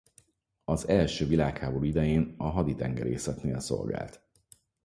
Az első világháború idején a haditengerészetnél szolgált.